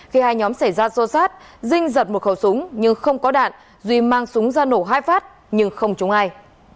khi hai nhóm xảy ra xô xát dinh giật một khẩu súng nhưng không có đạn duy mang súng ra nổ hai phát nhưng không trúng ai